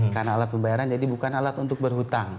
karena alat pembayaran jadi bukan alat untuk berhutang